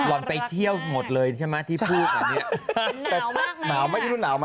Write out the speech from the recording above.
ร้อนไปเที่ยวหมดเลยใช่ไหมที่พูดหนาวมากมาก